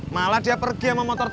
malah dia pergi sama motor